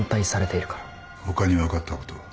他に分かったことは？